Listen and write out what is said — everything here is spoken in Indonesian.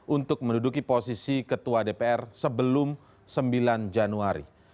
untuk menduduki posisi ketua dpr sebelum sembilan januari